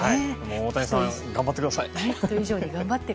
大谷さん、頑張ってください。